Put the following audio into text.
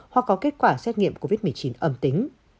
hoặc có kết quả xét nghiệm covid một mươi chín âm tính